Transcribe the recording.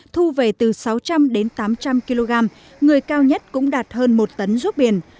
thu về từ sáu trăm linh đến tám trăm linh kg người cao nhất cũng đạt hơn một tấn ruốc biển